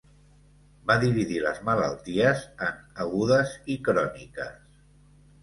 Va dividir les malalties en agudes i cròniques.